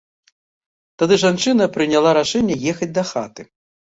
Тады жанчына прыняла рашэнне ехаць дахаты.